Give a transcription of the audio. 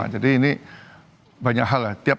jadi ini banyak hal ya